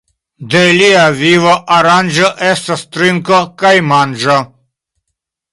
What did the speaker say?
De lia vivo aranĝo estas trinko kaj manĝo.